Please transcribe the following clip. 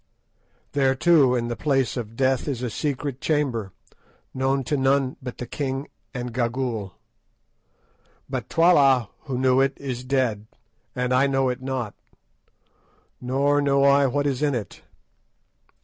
There, too, in the Place of Death is a secret chamber, known to none but the king and Gagool. But Twala, who knew it, is dead, and I know it not, nor know I what is in it.